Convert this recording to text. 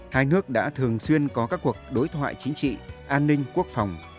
hai nước đã thường xuyên có các cuộc đối thoại chính trị an ninh quốc phòng